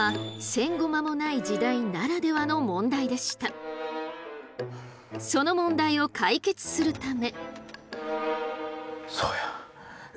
それはその問題を解決するため。